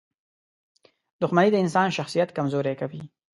• دښمني د انسان شخصیت کمزوری کوي.